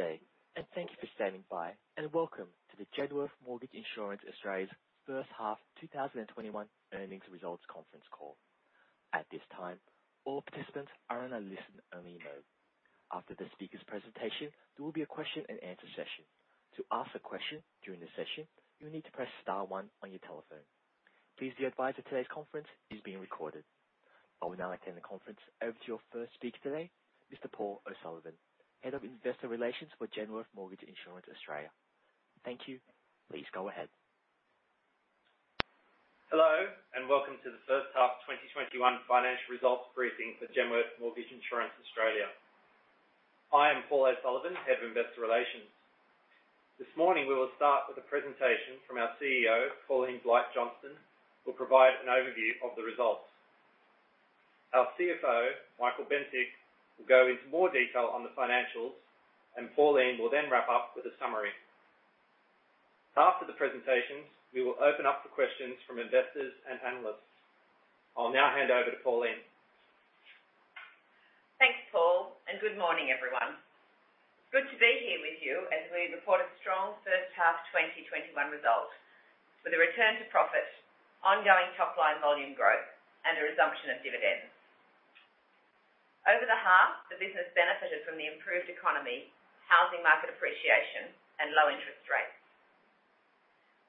Good day, and thank you for standing by, and welcome to the Genworth Mortgage Insurance Australia's First-Half 2021 Earnings Results Conference Call. At this time, all participants are in a listen-only mode. After the speaker's presentation, there will be a question and answer session. To ask a question during the session, you need to press star one on your telephone. Please be advised that today's conference is being recorded. I will now hand the conference over to your first speaker today, Mr. Paul O'Sullivan, Head of Investor Relations for Genworth Mortgage Insurance Australia. Thank you. Please go ahead. Hello, welcome to the first-half 2021 financial results briefing for Genworth Mortgage Insurance Australia. I am Paul O'Sullivan, Head of Investor Relations. This morning we will start with a presentation from our CEO, Pauline Blight-Johnston, who will provide an overview of the results. Our CFO, Michael Cant, will go into more detail on the financials, Pauline will then wrap up with a summary. After the presentations, we will open up for questions from investors and analysts. I'll now hand over to Pauline. Thanks, Paul. Good morning, everyone. Good to be here with you as we've reported strong first-half 2021 results with a return to profit, ongoing top-line volume growth, and a resumption of dividends. Over the half, the business benefited from the improved economy, housing market appreciation, and low interest rates.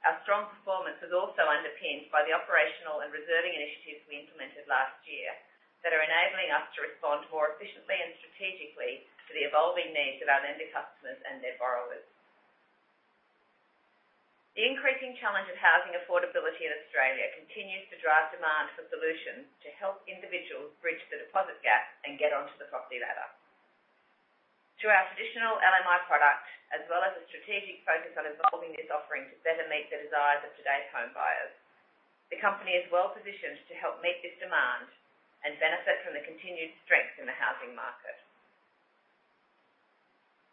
Our strong performance was also underpinned by the operational and reserving initiatives we implemented last year that are enabling us to respond more efficiently and strategically to the evolving needs of our lender customers and their borrowers. The increasing challenge of housing affordability in Australia continues to drive demand for solutions to help individuals bridge the deposit gap and get onto the property ladder. Through our traditional LMI product, as well as a strategic focus on evolving this offering to better meet the desires of today's home buyers, the company is well-positioned to help meet this demand and benefit from the continued strength in the housing market.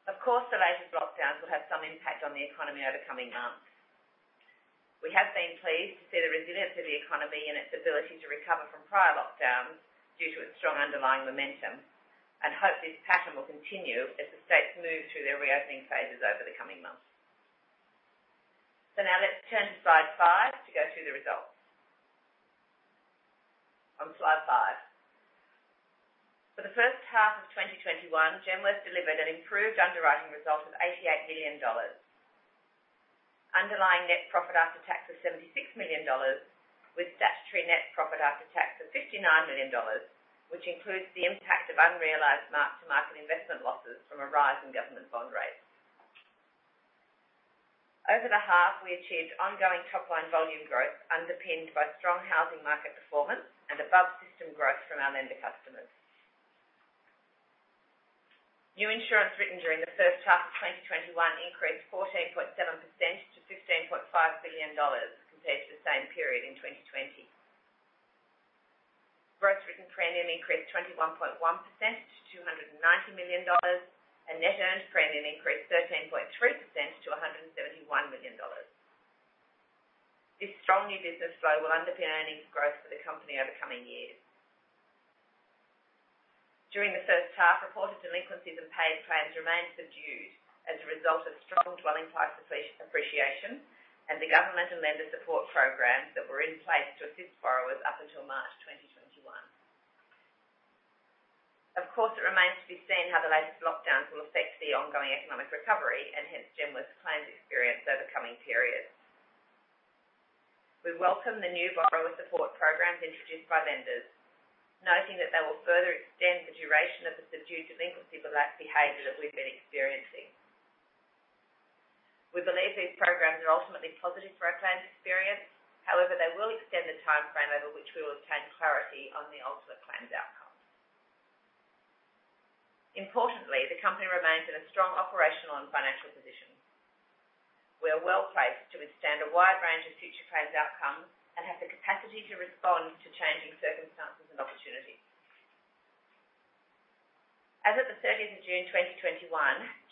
The latest lockdowns will have some impact on the economy over coming months. We have been pleased to see the resilience of the economy and its ability to recover from prior lockdowns due to its strong underlying momentum and hope this pattern will continue as the states move through their reopening phases over the coming months. Let's turn to slide five to go through the results. On slide five. For the first half of 2021, Genworth delivered an improved underwriting result of 88 million dollars. Underlying net profit after tax was 76 million dollars, with statutory net profit after tax of 59 million dollars, which includes the impact of unrealized mark-to-market investment losses from a rise in government bond rates. Over the half, we achieved ongoing top-line volume growth underpinned by strong housing market performance and above-system growth from our lender customers. New insurance written during the first half of 2021 increased 14.7% to 16.5 billion dollars compared to the same period in 2020. Gross written premium increased 21.1% to 290 million dollars, and net earned premium increased 13.3% to 171 million dollars. This strong new business flow will underpin earnings growth for the company over coming years. During the first half, reported delinquencies and paid claims remained subdued as a result of strong dwelling price appreciation and the government and lender support programs that were in place to assist borrowers up until March 2021. Of course, it remains to be seen how the latest lockdowns will affect the ongoing economic recovery and hence Genworth's claims experience over coming periods. We welcome the new borrower support programs introduced by lenders, noting that they will further extend the duration of the subdued delinquency behavior that we've been experiencing. We believe these programs are ultimately positive for our claims experience. However, they will extend the timeframe over which we will obtain clarity on the ultimate claims outcome. Importantly, the company remains in a strong operational and financial position. We are well placed to withstand a wide range of future claims outcomes and have the capacity to respond to changing circumstances and opportunities. As of the 13th of June 2021,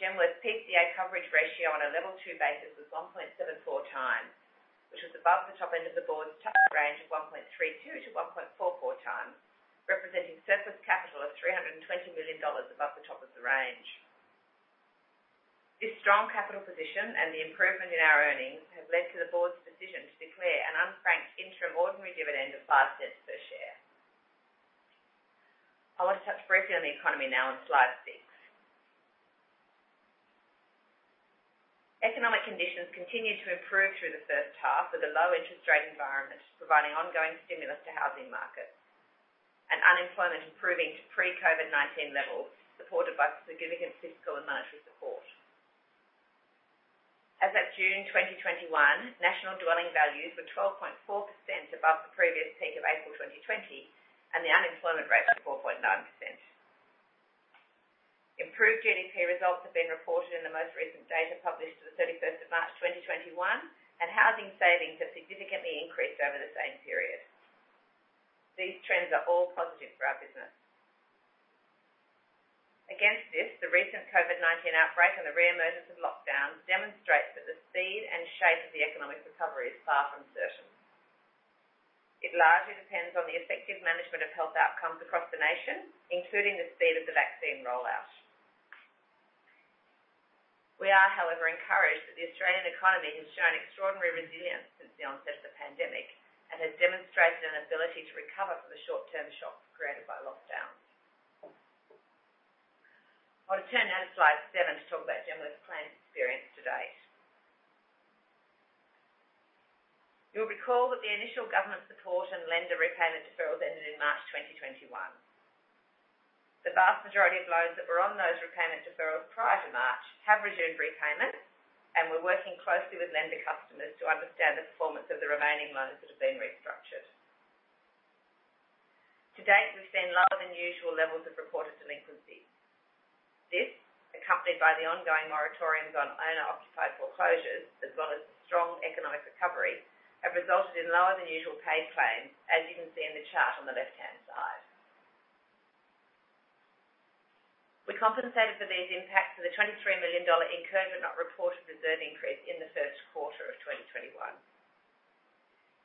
Genworth's PCA coverage ratio on a level 2 basis was 1.74x, which was above the top end of the board's target range of 1.32-1.44x, representing surplus capital of 320 million dollars above the top of the range. This strong capital position and the improvement in our earnings have led to the board's decision to declare an unfranked interim ordinary dividend of 0.05 per share. I want to touch briefly on the economy now on slide six. Economic conditions continued to improve through the first half, with a low interest rate environment providing ongoing stimulus to housing markets and unemployment improving to pre-COVID-19 levels, supported by significant fiscal and monetary support. As at June 2021, national dwelling values were 12.4% above the previous peak of April 2020, and the unemployment rate 4.9%. Improved GDP results have been reported in the most recent data published to the 31st of March 2021, and housing savings have significantly increased over the same period. These trends are all positive for our business. Against this, the recent COVID-19 outbreak and the re-emergence of lockdowns demonstrates that the speed and shape of the economic recovery is far from certain. It largely depends on the effective management of health outcomes across the nation, including the speed of the vaccine rollout. We are, however, encouraged that the Australian economy has shown extraordinary resilience since the onset of the pandemic and has demonstrated an ability to recover from the short-term shocks created by lockdowns. I want to turn now to slide seven to talk about Genworth's claims experience to date. You'll recall that the initial government support and lender repayment deferrals ended in March 2021. The vast majority of loans that were on those repayment deferrals prior to March have resumed repayment, and we're working closely with lender customers to understand the performance of the remaining loans that have been restructured. To date, we've seen lower than usual levels of reported delinquency. This, accompanied by the ongoing moratoriums on owner-occupied foreclosures as well as strong economic recovery, have resulted in lower than usual paid claims, as you can see in the chart on the left-hand side. We compensated for these impacts with a 23 million dollar incurred but not reported reserve increase in the first quarter of 2021.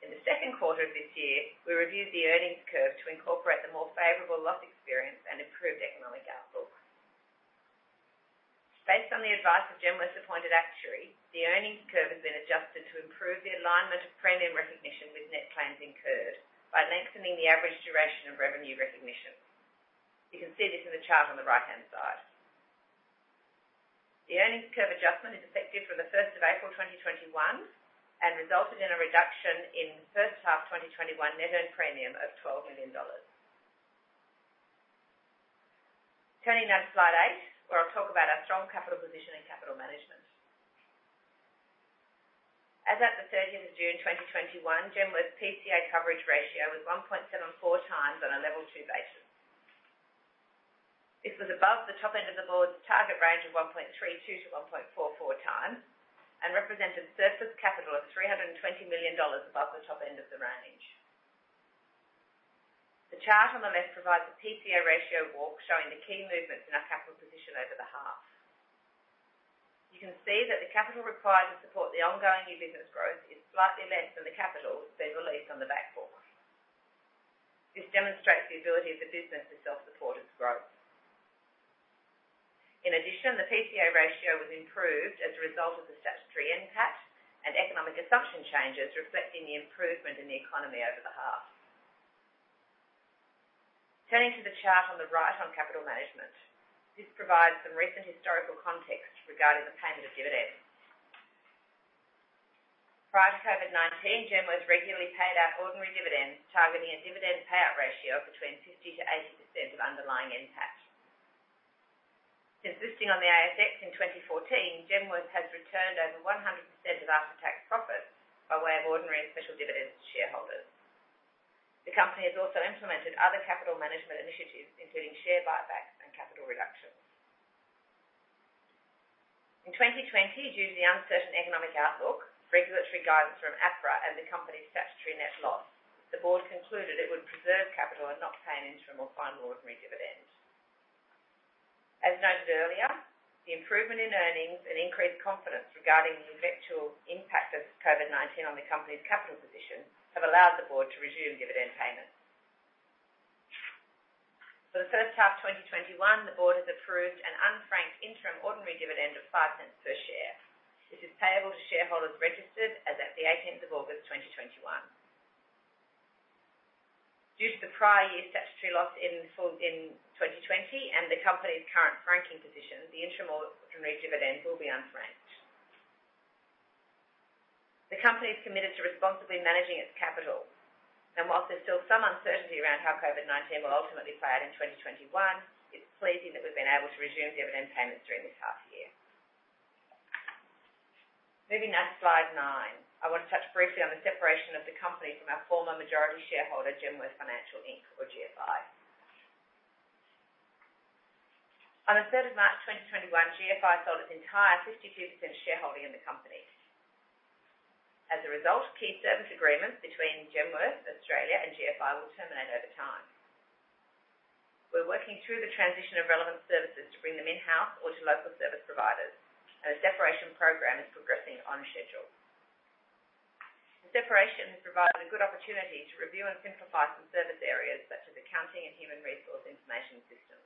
In the second quarter of this year, we reviewed the earnings curve to incorporate the more favorable loss experience and improved economic outlook. Based on the advice of Genworth's appointed actuary, the earnings curve has been adjusted to improve the alignment of premium recognition with net claims incurred by lengthening the average duration of revenue recognition. You can see this in the chart on the right-hand side. The earnings curve adjustment is effective from the 1st of April 2021 and resulted in a reduction in first half 2021 net earned premium of AUD 12 million. Turning now to slide eight, where I'll talk about our strong capital position and capital management. As at the 30th of June 2021, Genworth's PCA coverage ratio was 1.74x on a level 2 basis. This was above the top end of the board's target range of 1.32-1.44x and represented surplus capital of 320 million dollars above the top end of the range. The chart on the left provides a PCA ratio walk showing the key movements in our capital position over the half. You can see that the capital required to support the ongoing new business growth is slightly less than the capital seen released on the back book. This demonstrates the ability of the business to self-support its growth. In addition, the PCA ratio was improved as a result of the statutory NPAT and economic assumption changes, reflecting the improvement in the economy over the half. Turning to the chart on the right on capital management. This provides some recent historical context regarding the payment of dividends. Prior to COVID-19, Genworth regularly paid out ordinary dividends, targeting a dividend payout ratio of between 50%-80% of underlying NPAT. Since listing on the ASX in 2014, Genworth has returned over 100% of after-tax profits by way of ordinary and special dividends to shareholders. The company has also implemented other capital management initiatives, including share buybacks and capital reductions. In 2020, due to the uncertain economic outlook, regulatory guidance from APRA and the company's statutory net loss, the board concluded it would preserve capital and not pay an interim or final ordinary dividend. As noted earlier, the improvement in earnings and increased confidence regarding the eventual impact of COVID-19 on the company's capital position have allowed the board to resume dividend payments. For the first half 2021, the board has approved an unfranked interim ordinary dividend of 0.05 per share, which is payable to shareholders registered as at the 18th of August 2021. Due to the prior year statutory loss in full in 2020 and the company's current franking position, the interim ordinary dividend will be unfranked. The company is committed to responsibly managing its capital, and whilst there's still some uncertainty around how COVID-19 will ultimately play out in 2021, it's pleasing that we've been able to resume dividend payments during this half year. Moving now to slide nine. I want to touch briefly on the separation of the company from our former majority shareholder, Genworth Financial, Inc., or GFI. On the 3rd of March 2021, GFI sold its entire 52% shareholding in the company. As a result, key service agreements between Genworth Australia and GFI will terminate over time. We're working through the transition of relevant services to bring them in-house or to local service providers. The separation program is progressing on schedule. The separation has provided a good opportunity to review and simplify some service areas such as accounting and human resource information systems.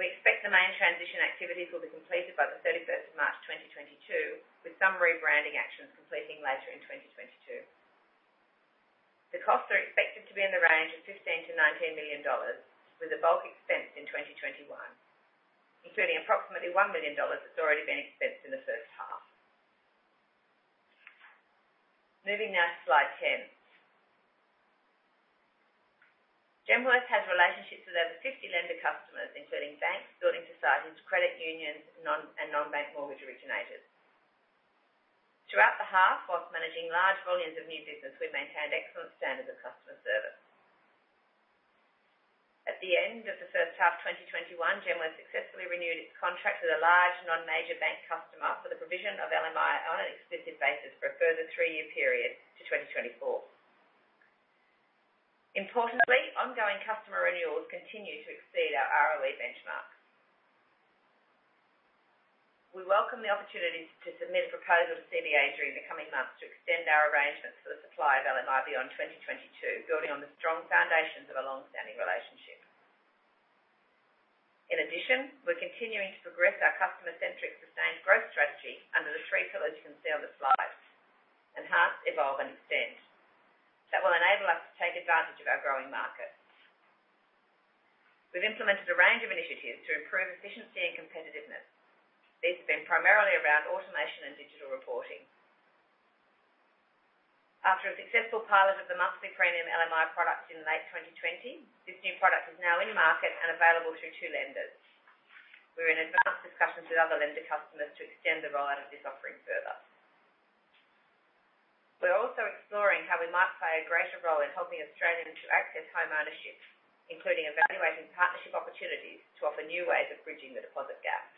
We expect the main transition activities will be completed by the 31st of March 2022, with some rebranding actions completing later in 2022. The costs are expected to be in the range of 15 million-19 million dollars, with the bulk expensed in 2021, including approximately 1 million dollars that's already been expensed in the first half. Moving now to slide 10. Genworth has relationships with over 50 lender customers, including banks, building societies, credit unions, and non-bank mortgage originators. Throughout the half, while managing large volumes of new business, we've maintained excellent standards of customer service. At the end of the first half 2021, Genworth successfully renewed its contract with a large non-major bank customer for the provision of LMI on an exclusive basis for a further three-year period to 2024. Importantly, ongoing customer renewals continue to exceed our ROE benchmark. We welcome the opportunity to submit a proposal to CBA during the coming months to extend our arrangements for the supply of LMI beyond 2022, building on the strong foundations of a long-standing relationship. We're continuing to progress our customer-centric sustained growth strategy under the three pillars you can see on the slide. Enhance, evolve, and extend. That will enable us to take advantage of our growing market. We've implemented a range of initiatives to improve efficiency and competitiveness. These have been primarily around automation and digital reporting. After a successful pilot of the monthly premium LMI product in late 2020, this new product is now in market and available through two lenders. We're in advanced discussions with other lender customers to extend the rollout of this offering further. We're also exploring how we might play a greater role in helping Australians to access home ownership, including evaluating partnership opportunities to offer new ways of bridging the deposit gap.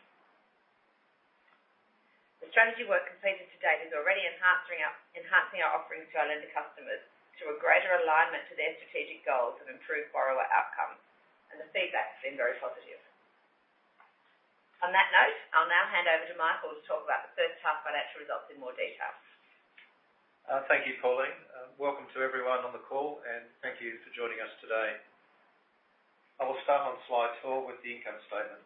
The strategy work completed to date is already enhancing our offerings to our lender customers through a greater alignment to their strategic goals of improved borrower outcomes, and the feedback has been very positive. On that note, I'll now hand over to Michael to talk about the first half financial results in more detail. Thank you, Pauline. Welcome to everyone on the call, and thank you for joining us today. I will start on slide four with the income statement.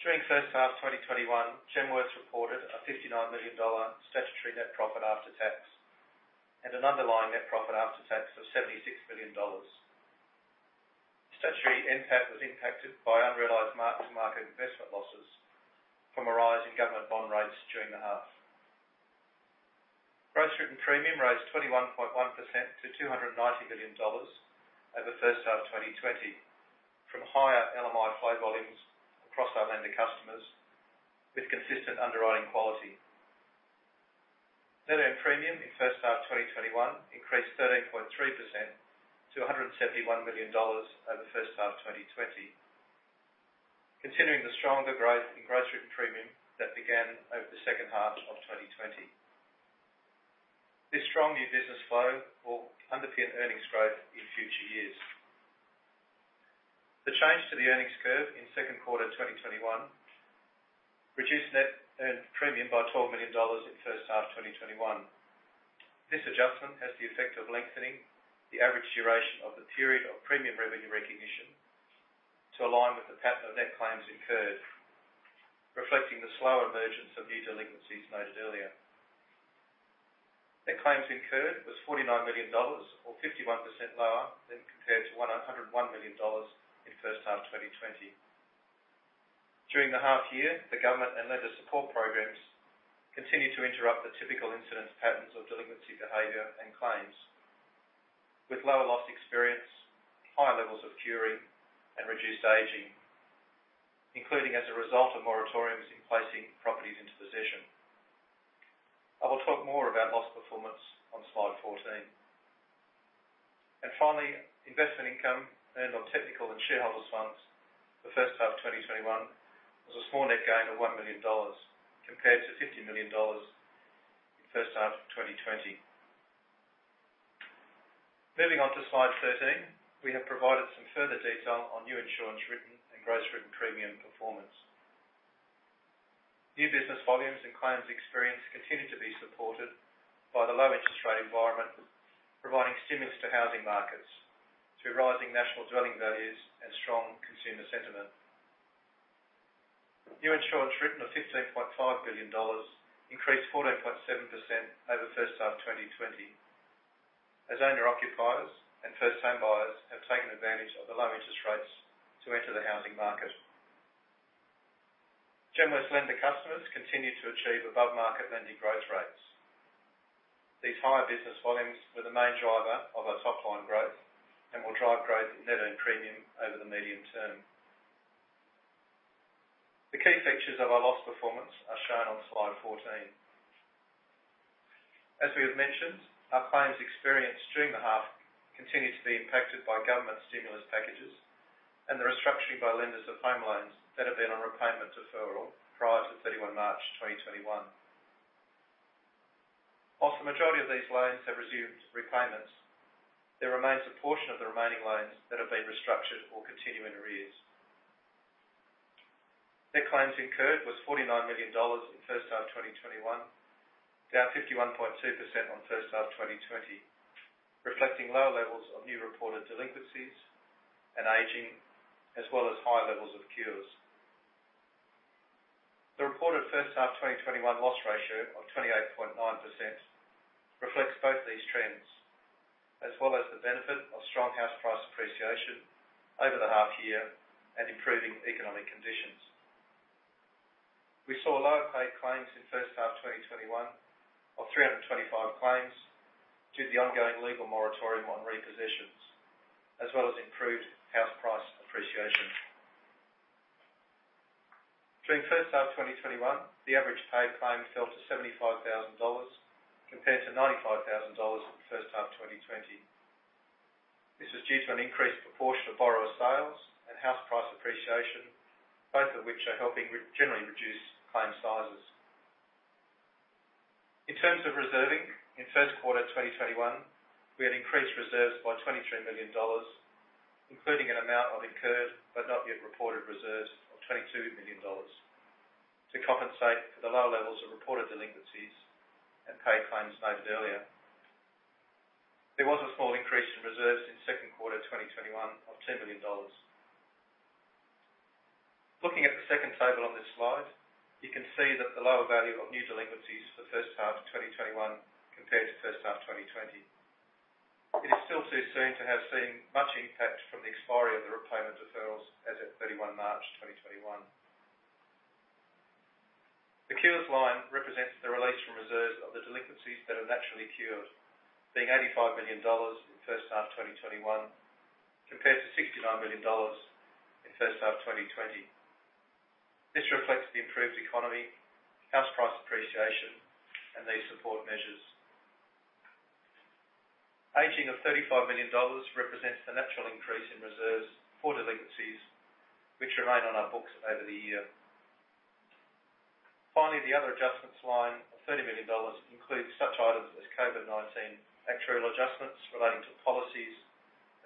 During first half 2021, Genworth reported an 59 million dollar statutory net profit after tax and an underlying net profit after tax of 76 million dollars. Statutory NPAT was impacted by unrealized mark-to-market investment losses from a rise in government bond rates during the half. Gross written premium rose 21.1% to 290 million dollars over the first half of 2020 from higher LMI flow volumes across our lender customers with consistent underwriting quality. Net earned premium in first half 2021 increased 13.3% to 171 million dollars over the first half of 2020, continuing the stronger growth in gross written premium that began over the second half of 2020. This strong new business flow will underpin earnings growth in future years. The change to the earnings curve in second quarter 2021 reduced net earned premium by 12 million dollars in first half 2021. This adjustment has the effect of lengthening the average duration of the period of premium revenue recognition to align with the pattern of net claims incurred, reflecting the slower emergence of new delinquencies noted earlier. Net claims incurred was 49 million dollars, or 51% lower than compared to 101 million dollars in first half 2020. During the half year, the government and lender support programs continued to interrupt the typical incidence patterns of delinquency behavior and claims with lower loss experience, higher levels of curing, and reduced aging, including as a result of moratoriums in placing properties into possession. I will talk more about loss performance on slide 14. Finally, investment income earned on technical and shareholders' funds for first half 2021 was a small net gain of 1 million dollars compared to 50 million dollars first half of 2020. Moving on to slide 13, we have provided some further detail on new insurance written and gross written premium performance. New business volumes and claims experience continued to be supported by the low interest rate environment, providing stimulus to housing markets through rising national dwelling values and strong consumer sentiment. New insurance written of 15.5 billion dollars increased 14.7% over first half 2020, as owner-occupiers and first-time buyers have taken advantage of the low interest rates to enter the housing market. Genworth's lender customers continued to achieve above-market lending growth rates. These higher business volumes were the main driver of our top-line growth and will drive growth in net earned premium over the medium term. The key features of our loss performance are shown on slide 14. As we have mentioned, our claims experience during the half continued to be impacted by government stimulus packages and the restructuring by lenders of home loans that have been on repayment deferral prior to 31 March 2021. Whilst the majority of these loans have resumed repayments, there remains a portion of the remaining loans that have been restructured or continue in arrears. Net claims incurred was 49 million dollars in first half 2021, down 51.2% on first half 2020, reflecting lower levels of new reported delinquencies and aging, as well as higher levels of cures. The reported first half 2021 loss ratio of 28.9% reflects both these trends, as well as the benefit of strong house price appreciation over the half year and improving economic conditions. We saw lower paid claims in first half 2021 of 325 claims due to the ongoing legal moratorium on repossessions, as well as improved house price appreciation. During first half 2021, the average paid claim fell to 75,000 dollars compared to 95,000 dollars in first half 2020. This was due to an increased proportion of borrower sales and house price appreciation, both of which are helping generally reduce claim sizes. In terms of reserving, in first quarter 2021, we had increased reserves by 23 million dollars, including an amount of incurred but not yet reported reserves of 22 million dollars, to compensate for the lower levels of reported delinquencies and paid claims noted earlier. There was a small increase in reserves in second quarter 2021 of 10 million dollars. Looking at the second table on this slide, you can see that the lower value of new delinquencies for the first half of 2021 compared to first half 2020. It is still too soon to have seen much impact from the expiry of the repayment deferrals as at 31 March 2021. The cures line represents the release from reserves of the delinquencies that have naturally cured, being 85 million dollars in first half 2021 compared to 69 million dollars in first half 2020. This reflects the improved economy, house price appreciation, and these support measures. Aging of 35 million dollars represents the natural increase in reserves for delinquencies which remain on our books over the year. Finally, the other adjustments line of 30 million dollars includes such items as COVID-19 actuarial adjustments relating to policies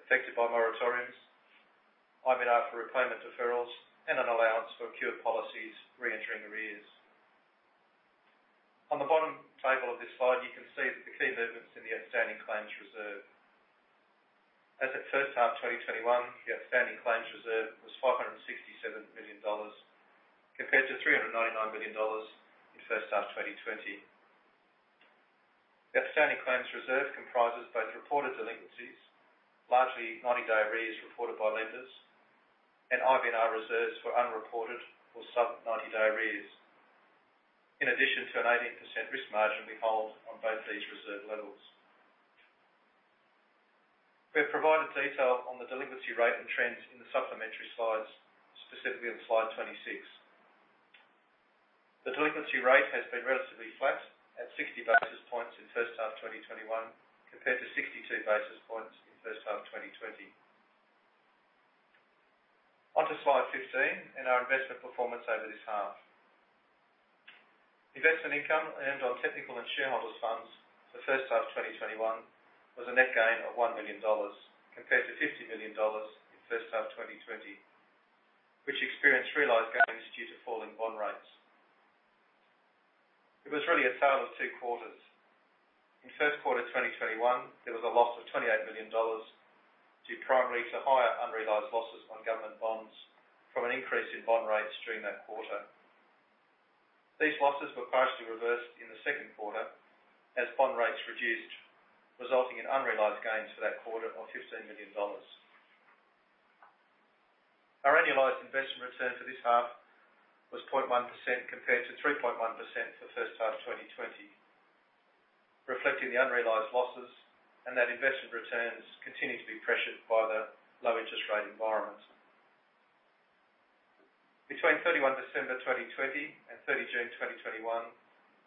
affected by moratoriums, IBNR for repayment deferrals, and an allowance for cured policies re-entering arrears. On the bottom table of this slide, you can see the key movements in the outstanding claims reserve. As at first half 2021, the outstanding claims reserve was 567 million dollars compared to 399 million dollars in first half 2020. The outstanding claims reserve comprises both reported delinquencies, largely 90-day arrears reported by lenders, and IBNR reserves for unreported or sub-90 day arrears. In addition to an 18% risk margin we hold on both these reserve levels. We have provided detail on the delinquency rate and trends in the supplementary slides, specifically on slide 26. The delinquency rate has been relatively flat at 60 basis points in first half 2021 compared to 62 basis points in first half 2020. On to slide 15 and our investment performance over this half. Investment income earned on technical and shareholders' funds for first half 2021 was a net gain of 1 million dollars compared to 50 million dollars in first half 2020, which experienced realized gains due to falling bond rates. It was really a tale of two quarters. In first quarter 2021, there was a loss of 28 million dollars due primarily to higher unrealized losses on government bonds from an increase in bond rates during that quarter. These losses were partially reversed in the second quarter as bond rates reduced, resulting in unrealized gains for that quarter of 15 million dollars. Our annualized investment return for this half was 0.1% compared to 3.1% for first half of 2020, reflecting the unrealized losses and that investment returns continue to be pressured by the low interest rate environment. Between 31 December 2020 and 30 June 2021,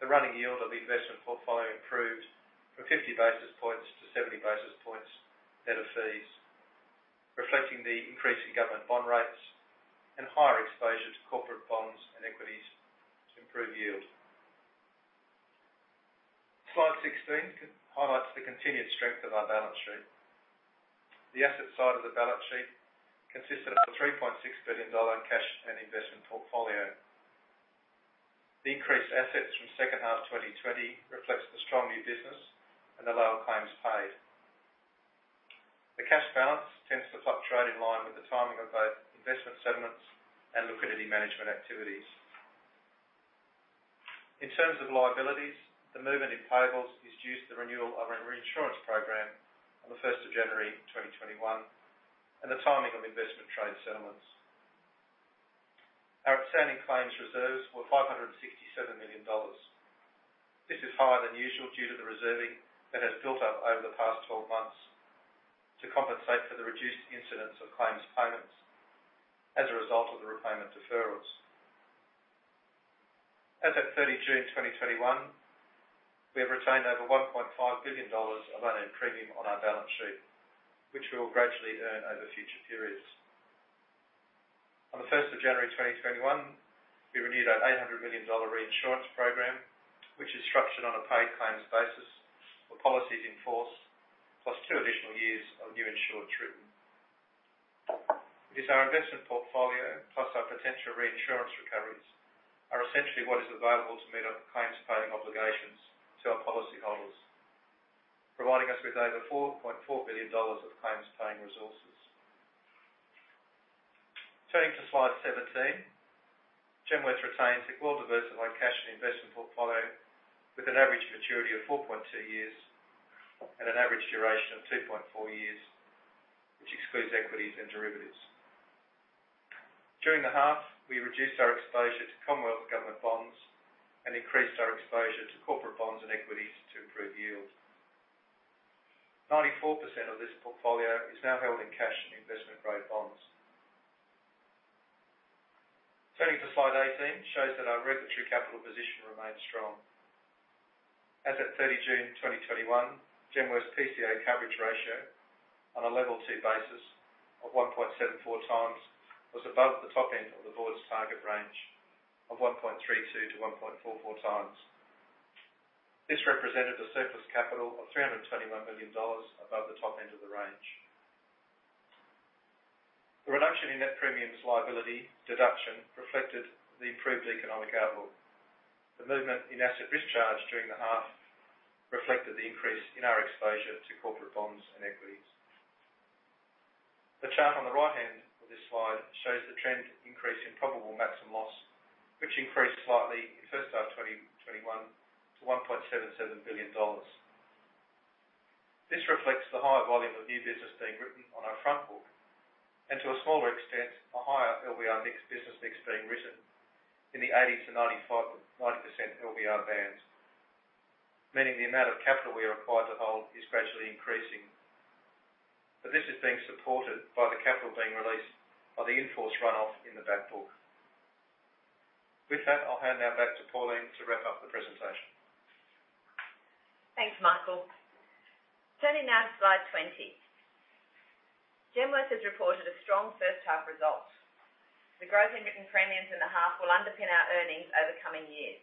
the running yield on the investment portfolio improved from 50 basis points to 70 basis points net of fees, reflecting the increase in government bond rates and higher exposure to corporate bonds and equities to improve yield. Slide 16 highlights the continued strength of our balance sheet. The asset side of the balance sheet consisted of an 3.6 billion dollar cash and investment portfolio. The increased assets from second half 2020 reflects the strong new business and the lower claims paid. The cash balance tends to fluctuate in line with the timing of both investment settlements and liquidity management activities. In terms of liabilities, the movement in payables is due to the renewal of our reinsurance program on the 1st of January 2021 and the timing of investment trade settlements. Our outstanding claims reserves were 567 million dollars. This is higher than usual due to the reserving that has built up over the past 12 months to compensate for the reduced incidence of claims payments as a result of the repayment deferrals. As at 30 June 2021, we have retained over 1.5 billion dollars of unearned premium on our balance sheet, which we will gradually earn over future periods. On the 1st of January 2021, we renewed our 800 million dollar reinsurance program, which is structured on a paid claims basis for policies in force, plus two additional years of new insurance written. It is our investment portfolio, plus our potential reinsurance recoveries, are essentially what is available to meet our claims-paying obligations to our policyholders, providing us with over 4.4 billion dollars of claims-paying resources. Turning to slide 17, Genworth retains a well-diversified cash and investment portfolio with an average maturity of 4.2 years and an average duration of 2.4 years, which excludes equities and derivatives. During the half, we reduced our exposure to Commonwealth Government bonds and increased our exposure to corporate bonds and equities to improve yield. 94% of this portfolio is now held in cash and investment-grade bonds. Turning to slide 18 shows that our regulatory capital position remains strong. As at 30 June 2021, Genworth's PCA coverage ratio on a level 2 basis of 1.74x was above the top end of the board's target range of 1.32-1.44x. This represented a surplus capital of 321 million dollars above the top end of the range. The reduction in net premiums liability deduction reflected the improved economic outlook. The movement in asset risk charge during the half reflected the increase in our exposure to corporate bonds and equities. The chart on the right-hand of this slide shows the trend increase in probable maximum loss, which increased slightly in first half 2021 to 1.77 billion dollars. This reflects the higher volume of new business being written on our front book and, to a smaller extent, a higher LVR mix business mix being written in the 80-90% LVR bands, meaning the amount of capital we are required to hold is gradually increasing. This is being supported by the capital being released by the in-force runoff in the back book. With that, I'll hand now back to Pauline to wrap up the presentation. Thanks, Michael. Turning now to slide 20. Genworth has reported a strong first half result. The growth in written premiums in the half will underpin our earnings over coming years.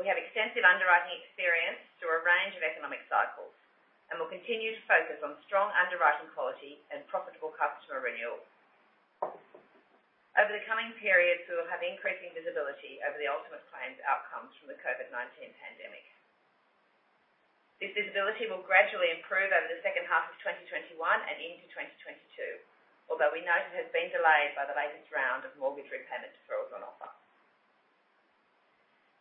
We have extensive underwriting experience through a range of economic cycles, and we'll continue to focus on strong underwriting quality and profitable customer renewal. Over the coming periods, we will have increasing visibility over the ultimate claims outcomes from the COVID-19 pandemic. This visibility will gradually improve over the second half of 2021 and into 2022, although we note it has been delayed by the latest round of mortgage repayment deferrals on offer.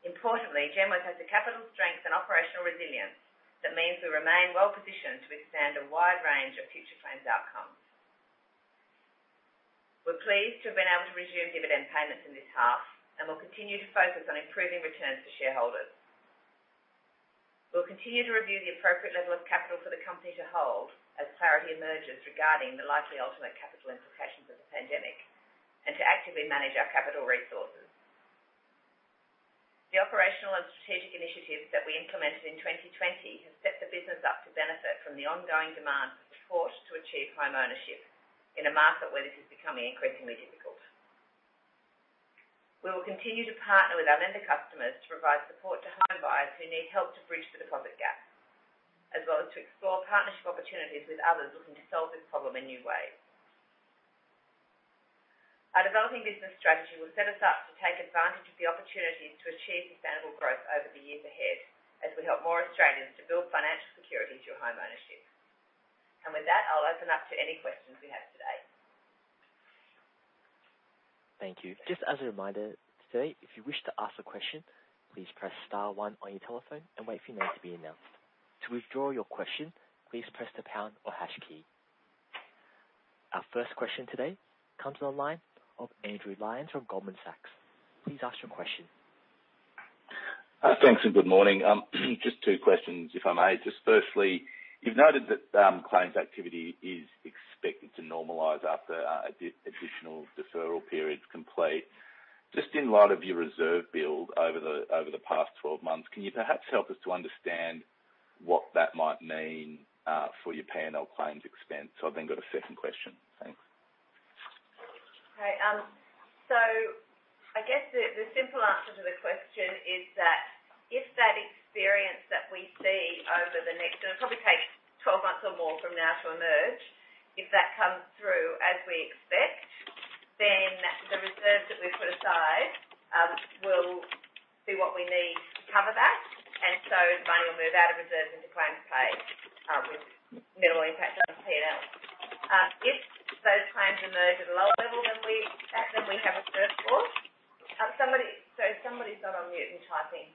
Importantly, Genworth has the capital strength and operational resilience that means we remain well-positioned to withstand a wide range of future claims outcomes. We're pleased to have been able to resume dividend payments in this half, and we'll continue to focus on improving returns to shareholders. We'll continue to review the appropriate level of capital for the company to hold as clarity emerges regarding the likely ultimate capital implications of the pandemic and to actively manage our capital resources. The operational and strategic initiatives that we implemented in 2020 have set the business up to benefit from the ongoing demand for support to achieve home ownership in a market where this is becoming increasingly difficult. We will continue to partner with our lender customers to provide support to home buyers who need help to bridge the deposit gap, as well as to explore partnership opportunities with others looking to solve this problem in new ways. Our developing business strategy will set us up to take advantage of the opportunities to achieve sustainable growth over the years ahead as we help more Australians to build financial security through home ownership. With that, I'll open up to any questions we have today. Thank you. Just as a reminder today, if you wish to ask a question, please press star one on your telephone and wait for your name to be announced. To withdraw your question, please press the pound or hash key. Our first question today comes on the line of Andrew Lyons from Goldman Sachs. Please ask your question. Thanks and good morning. Just two questions if I may. Just firstly, you've noted that claims activity is expected to normalize after the additional deferral period's complete. Just in light of your reserve build over the past 12 months, can you perhaps help us to understand what that might mean for your P&L claims expense? I've then got a second question. Thanks. Okay. I guess the simple answer to the question is that if that experience that we see over the next- it'll probably take 12 months or more from now to emerge. If that comes through as we expect, the reserves that we've put aside will be what we need to cover that, the money will move out of reserves into claims paid, with minimal impact on P&L. If those claims emerge at a lower level than we have reserved for- somebody's not on mute and typing-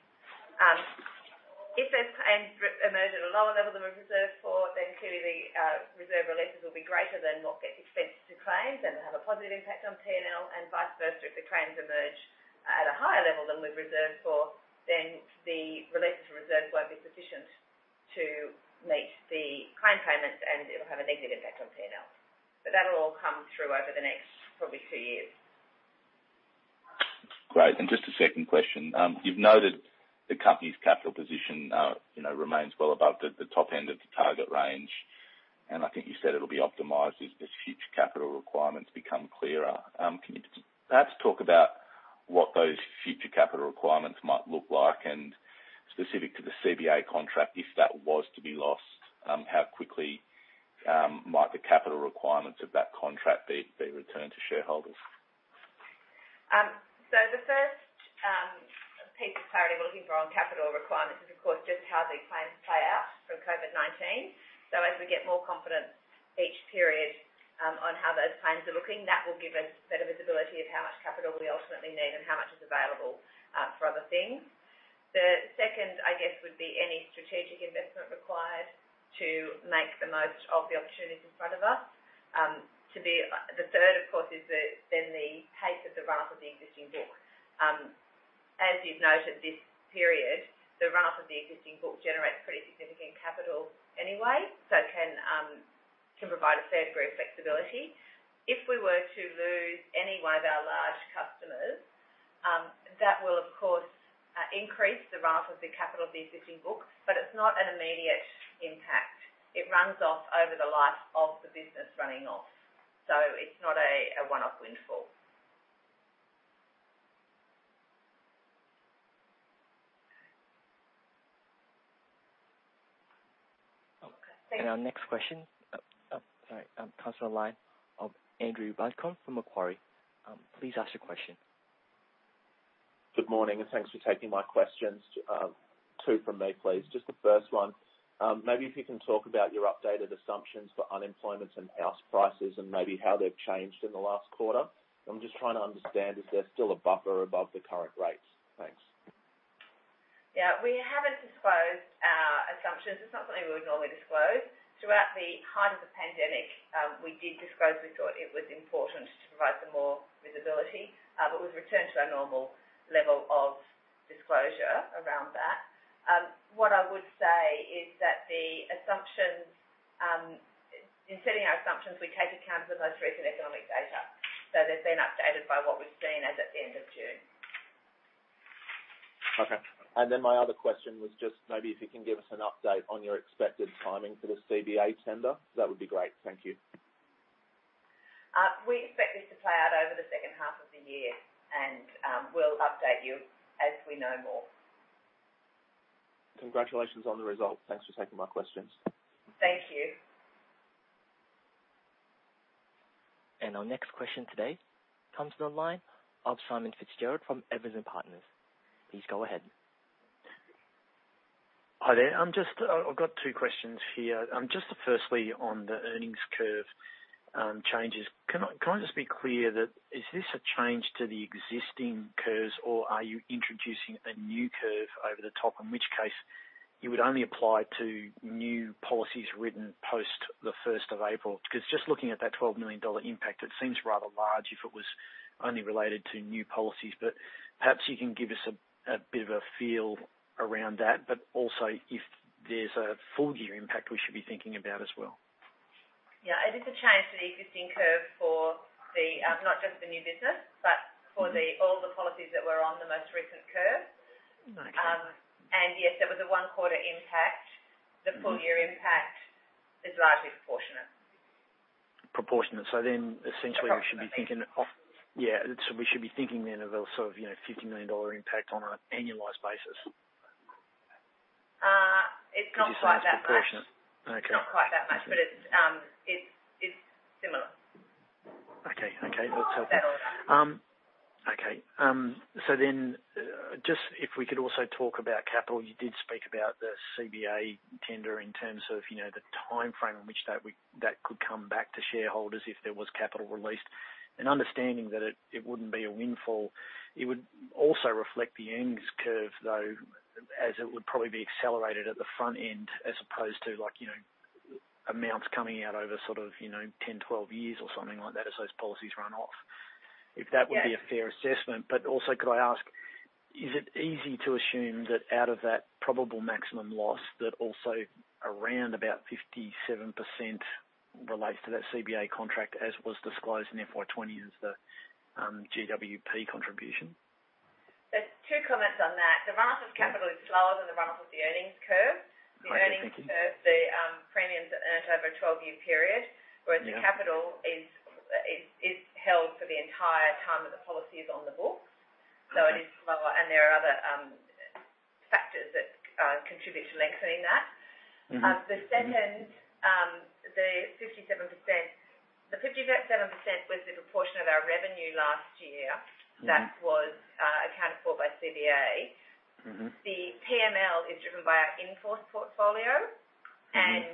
if those claims emerge at a lower level than we've reserved for, clearly the reserve releases will be greater than what gets expensed to claims and have a positive impact on P&L, and vice versa if the claims emerge at a higher level than we've reserved for. The releases from reserves won't be sufficient to meet the claim payments, and it'll have a negative impact on P&L. That'll all come through over the next probably two years. Great. Just a second question. You've noted the company's capital position remains well above the top end of the target range, and I think you said it'll be optimized as future capital requirements become clearer. Can you perhaps talk about what those future capital requirements might look like and specific to the CBA contract, if that was to be lost, how quickly might the capital requirements of that contract be returned to shareholders? The first piece of clarity we're looking for on capital requirements is, of course, just how these claims play out from COVID-19. As we get more confidence each period on how those claims are looking, that will give us better visibility of how much capital we ultimately need and how much is available for other things. The second, I guess, would be any strategic investment required to make the most of the opportunities in front of us. The third, of course, is the pace of the runoff of the existing book. As you've noted this period, the runoff of the existing book generates pretty significant capital anyway, so it can provide a fair degree of flexibility. If we were to lose any one of our large customers, that will, of course, increase the run-off of the [capital-deleting] book, but it's not an immediate impact. It runs off over the life of the business running off. It's not a one-off windfall. Okay. Thanks. Our next question, sorry, comes on the line of Andrew Buncombe from Macquarie. Please ask your question. Good morning. Thanks for taking my questions. Two from me, please. Just the first one, maybe if you can talk about your updated assumptions for unemployment and house prices and maybe how they've changed in the last quarter. I'm just trying to understand if there's still a buffer above the current rates. Thanks. We haven't disclosed our assumptions. It's not something we would normally disclose. Throughout the height of the pandemic, we did disclose- we thought it was important to provide some more visibility. We've returned to our normal level of disclosure around that. What I would say is that in setting our assumptions, we take account of the most recent economic data. They've been updated by what we've seen as at the end of June. Okay. My other question was just maybe if you can give us an update on your expected timing for the CBA tender. That would be great. Thank you. We expect this to play out over the second half of the year, and we'll update you as we know more. Congratulations on the result. Thanks for taking my questions. Thank you. Our next question today comes on the line of Simon Fitzgerald from Evans and Partners. Please go ahead. Hi there. I've got two questions here. Just firstly, on the earnings curve changes. Can I just be clear that is this a change to the existing curves, or are you introducing a new curve over the top, in which case it would only apply to new policies written post the 1st of April? Looking at that 12 million dollar impact, it seems rather large if it was only related to new policies. Perhaps you can give us a bit of a feel around that, also if there's a full year impact we should be thinking about as well. Yeah, it is a change to the existing curve for not just the new business, but for all the policies that were on the most recent curve. Yes, that was a one-quarter impact. The full year impact is largely proportionate. Proportionate- Approximately. So, we should be thinking then of a sort of 50 million dollar impact on an annualized basis. It's not quite that much. It's not quite that much, but it's similar... Okay. That's helpful. ...of that order. Just if we could also talk about capital. You did speak about the CBA tender in terms of the timeframe in which that could come back to shareholders if there was capital released. Understanding that it wouldn't be a windfall. It would also reflect the earnings curve, though, as it would probably be accelerated at the front end as opposed to amounts coming out over sort of 10-12 years or something like that as those policies run off... Yeah. ...be a fair assessment. Also could I ask, is it easy to assume that out of that probable maximum loss, that also around about 57% relates to that CBA contract as was disclosed in FY 2020 as the GWP contribution? There's two comments on that. The run-off of capital is slower than the run-off of the earnings curve. Great. Thank you. The earnings curve- the premiums are earned over a 12-year period, whereas the capital is held for the entire time that the policy is on the books. It is slower, and there are other factors that contribute to lengthening that. The second, the 57% was the proportion of our revenue last year that was accounted for by CBA. The PML is driven by our in-force portfolio. The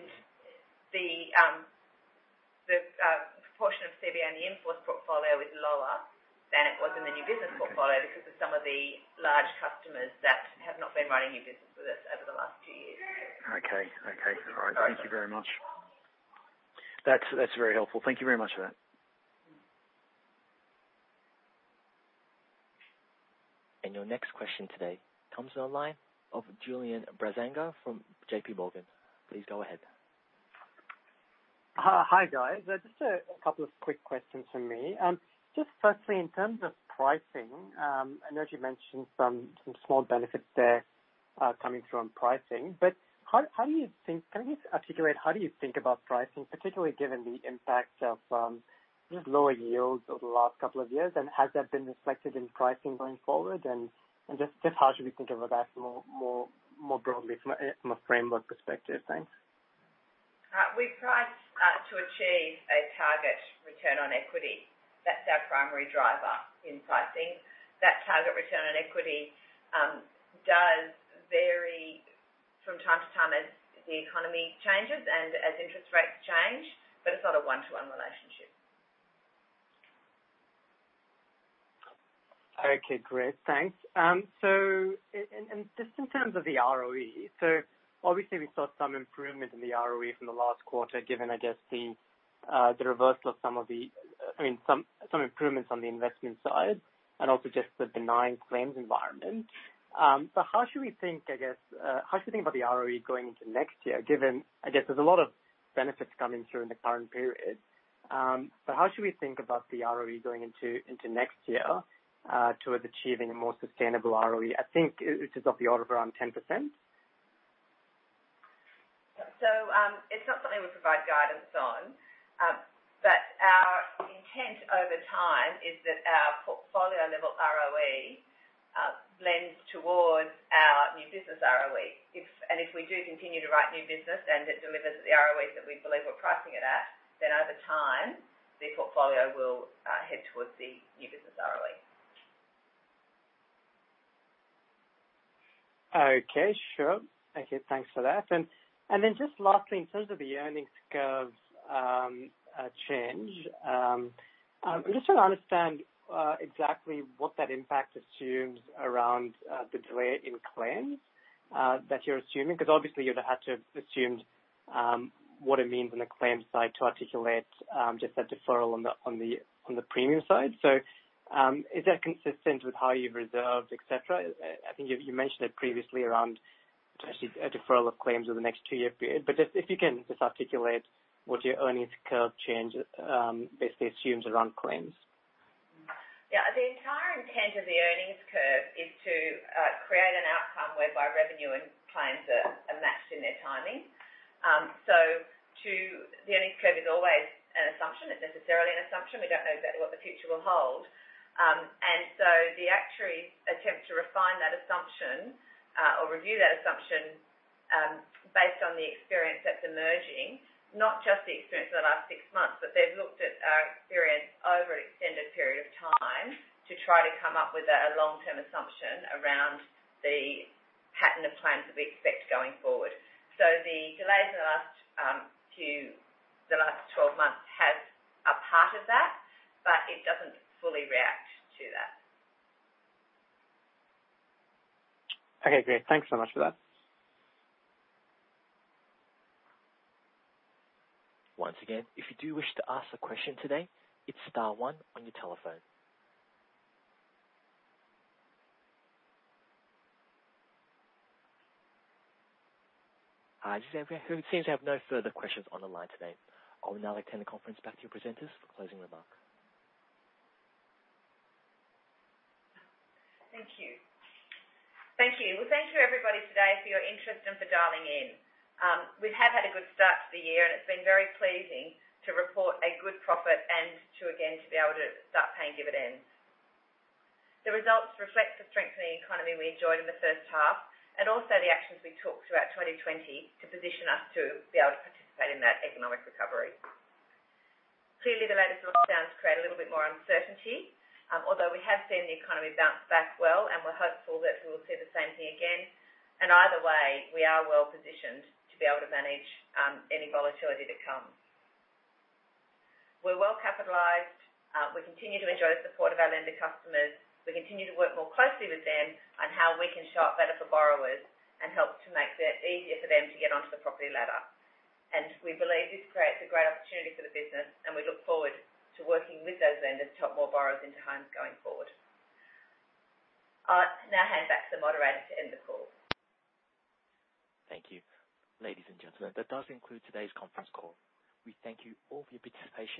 proportion of CBA on the in-force portfolio is lower than it was in the new business portfolio because of some of the large customers that have not been writing new business with us over the last two years. Okay. All right. Thank you very much. That's very helpful. Thank you very much for that. Your next question today comes on the line of Julian Braganza from JPMorgan. Please go ahead. Hi, guys. Just a couple of quick questions from me. Just firstly, in terms of pricing, I know that you mentioned some small benefits there coming through on pricing, but can you just articulate how do you think about pricing, particularly given the impact of just lower yields over the last couple of years, and has that been reflected in pricing going forward? Just how should we think of that more broadly from a framework perspective? Thanks. We price to achieve a target return on equity. That's our primary driver in pricing. That target return on equity does vary from time to time as the economy changes and as interest rates change, but it's not a one-to-one relationship. Okay, great. Thanks. Just in terms of the ROE, so obviously we saw some improvement in the ROE from the last quarter given, I guess, the reversal of some of the, I mean, some improvements on the investment side and also just the benign claims environment. How should we think about the ROE going into next year, given, I guess, there's a lot of benefits coming through in the current period? How should we think about the ROE going into next year towards achieving a more sustainable ROE? I think it is of the order of around 10%. It's not something we provide guidance on. Our intent over time is that our portfolio level ROE blends towards our new business ROE. If we do continue to write new business and it delivers the ROEs that we believe we're pricing it at, then over time, the portfolio will head towards the new business ROE. Okay, sure. Okay, thanks for that. Then just lastly, in terms of the earnings curve change, I'm just trying to understand exactly what that impact assumes around the delay in claims that you're assuming. Obviously you'd have had to have assumed what it means on the claims side to articulate just that deferral on the premium side. Is that consistent with how you've reserved, et cetera? I think you mentioned it previously around potentially a deferral of claims over the next two-year period. Just if you can just articulate what your earnings curve change basically assumes around claims. The entire intent of the earnings curve is to create an outcome whereby revenue and claims are matched in their timing. The earnings curve is always an assumption. It's necessarily an assumption. We don't know exactly what the future will hold. The actuaries attempt to refine that assumption, or review that assumption, based on the experience that's emerging- not just the experience of the last six months- but they've looked at our experience over an extended period of time to try to come up with a long-term assumption around the pattern of claims that we expect going forward. The delays in the last 12 months has a part of that, but it doesn't fully react to that. Okay, great. Thanks so much for that. Hi, it seems we have no further questions on the line today. I will now return the conference back to your presenters for closing remarks. Thank you. Thank you. Thank you, everybody, today, for your interest and for dialing in. We have had a good start to the year. It's been very pleasing to report a good profit and to again be able to start paying dividends. The results reflect the strengthening economy we enjoyed in the first half. Also, the actions we took throughout 2020 to position us to be able to participate in that economic recovery. Clearly, the latest lockdowns create a little bit more uncertainty, although we have seen the economy bounce back well. We're hopeful that we will see the same thing again. Either way, we are well-positioned to be able to manage any volatility that comes. We're well-capitalized- we continue to enjoy the support of our lender customers. We continue to work more closely with them on how we can show up better for borrowers and help to make that easier for them to get onto the property ladder. We believe this creates a great opportunity for the business, and we look forward to working with those lenders to help more borrowers into homes going forward. I'll now hand back to the moderator to end the call. Thank you. Ladies and gentlemen, that does conclude today's conference call. We thank you all for your participation.